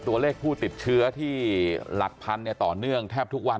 ตัวเลขผู้ติดเชื้อที่หลักพันต่อเนื่องแทบทุกวัน